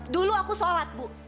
dulu aku sholat bu